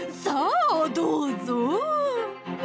さあどうぞ！